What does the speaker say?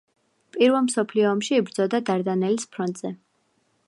პირველ მსოფლიო ომში იბრძოდა დარდანელის ფრონტზე.